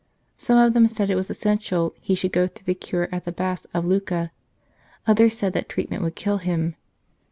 Some of them said it was essential he should go through the cure at the baths of Lucca ; others said that treatment would kill him.